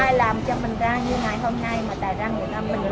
ai làm cho mình ra như ngày hôm nay mà tài răng mình bỏ phế